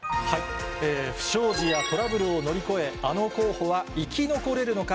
不祥事やトラブルを乗り越え、あの候補は生き残れるのか。